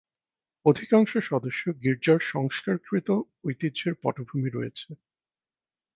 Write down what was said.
অধিকাংশ সদস্য গির্জার সংস্কারকৃত ঐতিহ্যের পটভূমি রয়েছে।